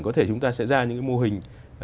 có thể chúng ta sẽ ra những cái mô hình